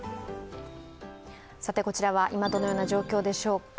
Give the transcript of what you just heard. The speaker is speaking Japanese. こちらは今、どのような状況でしょうか。